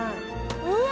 うわ！